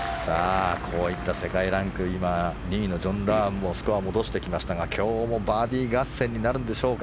世界ランク２位のジョン・ラームもスコアを戻してきましたが今日もバーディー合戦になるんでしょうか。